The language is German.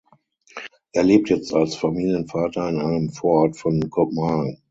Er lebt jetzt als Familienvater in einem Vorort von Kopenhagen.